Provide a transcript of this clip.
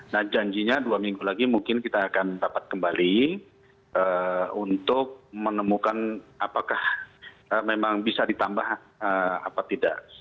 nah janjinya dua minggu lagi mungkin kita akan dapat kembali untuk menemukan apakah memang bisa ditambah apa tidak